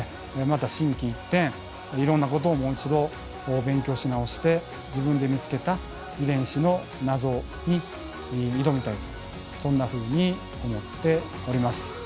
また心機一転いろんなことをもう一度勉強し直して自分で見つけた遺伝子の謎に挑みたいとそんなふうに思っております。